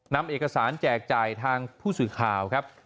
นำเอกสารแจกจ่ายทางผู้สื่อข่าวครับ